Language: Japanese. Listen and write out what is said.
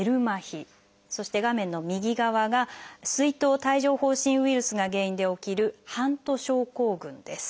そして画面の右側が水痘・帯状疱疹ウイルスが原因で起きる「ハント症候群」です。